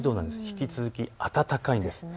引き続き暖かいです。